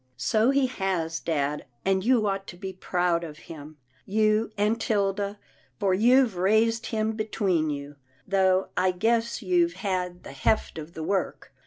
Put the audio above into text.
" So he has, dad, and you ought to be proud of him — you and 'Tilda, for you've raised him between you, though I guess you've had the heft of the work."